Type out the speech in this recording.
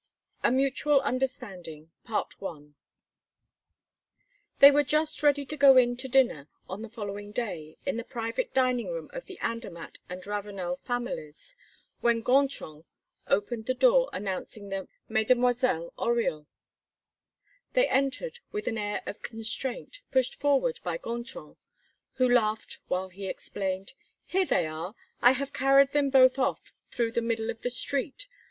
A Mutual Understanding They were just ready to go in to dinner, on the following day, in the private dining room of the Andermatt and Ravenel families, when Gontran opened the door announcing the "Mesdemoiselles Oriol." They entered, with an air of constraint, pushed forward by Gontran, who laughed while he explained: "Here they are! I have carried them both off through the middle of the street.